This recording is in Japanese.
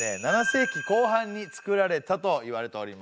７世紀後半に造られたといわれております。